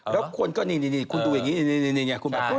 แล้วคุณก็นี่คุณดูอย่างนี้คุณแบบนี้